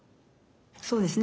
そうですね。